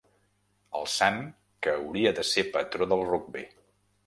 El Sant que hauria de ser patró del rugbi.